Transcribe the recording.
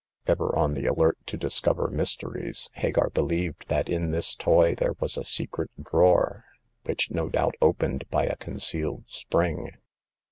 Ever on the alert to discover mysteries, Hagar believed that in this toy there was a secret drawer, which no doubt opened by a concealed spring.